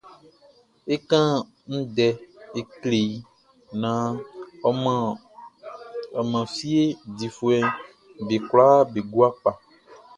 É kán ndɛ é klé i naan ɔ man fie difuɛʼm be kwlaa be gua kpa.